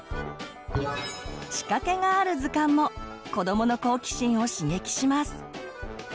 仕掛けがある図鑑も子どもの好奇心を刺激します。